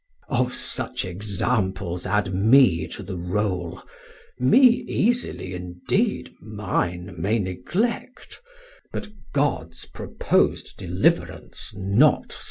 Sam: Of such examples adde mee to the roul, 290 Mee easily indeed mine may neglect, But Gods propos'd deliverance not so.